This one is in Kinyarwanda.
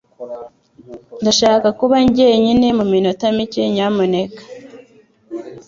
Ndashaka kuba jyenyine muminota mike nyamuneka.